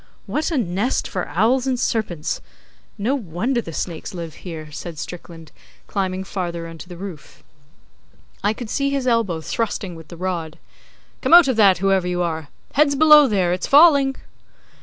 'What a nest for owls and serpents! No wonder the snakes live here,' said Strickland, climbing farther into the roof. I could see his elbow thrusting with the rod. 'Come out of that, whoever you are! Heads below there! It's falling.